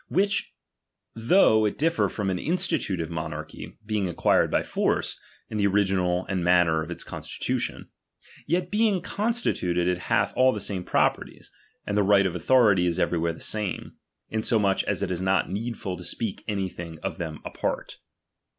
Which though ■' it diflFer from an instittitive monarchy, being ac quired by force, in the original and manner of its • constitution ; yet being constituted, it hath all the same properties, and the right of authority is every where the same ; insomuch as it is not needful to speak anything of them apart.